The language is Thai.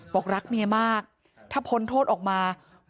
บอกรักเมียมากถ้าพ้นโทษออกมา